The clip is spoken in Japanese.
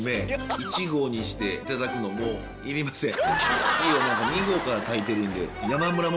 １合にして頂くのもういりません。